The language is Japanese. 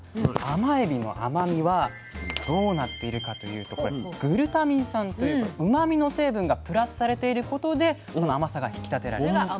甘エビの甘みはどうなっているかというとこれグルタミン酸といううまみの成分がプラスされていることで甘さが引き立てられるんです。